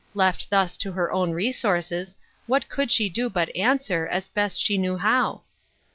Left thus to her own resources, what could she do but answer, as best she knew how?